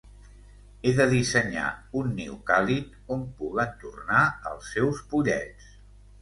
He de dissenyar un niu càlid, on puguen tornar els seus pollets...